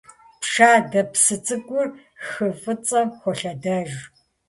Пшадэ псы цӏыкӏур хы ФӀыцӀэм холъэдэж.